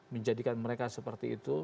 menjadikan mereka seperti itu